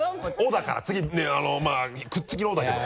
だから次まぁくっつきの「お」だけど。